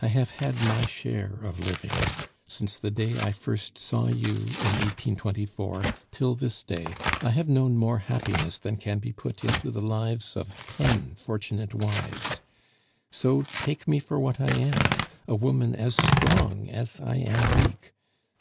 I have had my share of living. Since the day I first saw you, in 1824, till this day, I have known more happiness than can be put into the lives of ten fortunate wives. So take me for what I am a woman as strong as I am weak.